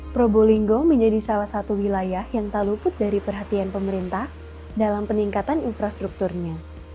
probolinggo menjadi salah satu wilayah yang tak luput dari perhatian pemerintah dalam peningkatan infrastrukturnya